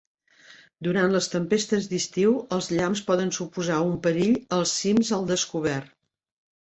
Durant les tempestes d'estiu, els llamps poden suposar un perill als cims al descobert.